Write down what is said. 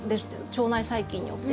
腸内細菌によって。